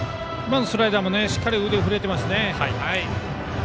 スライダーもしっかり腕が振れていますね。